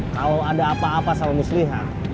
kalau ada apa apa sama muslihan